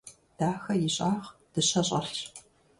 Дахэ и щӀагъ дыщэ щӀэлъщ.